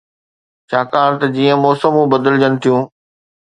ڇاڪاڻ ته جيئن موسمون بدلجن ٿيون